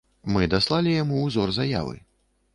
Мы даслалі яму ўзор заявы.